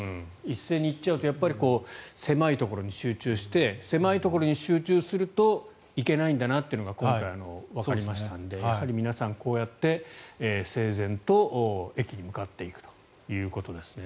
一斉に行っちゃうと狭いところに集中して狭いところに集中するといけないんだなということが今回、わかりましたので皆さん、こうやって整然と駅に向かっていくということですね。